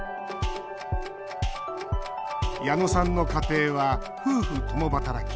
矢野さんの家庭は夫婦共働き。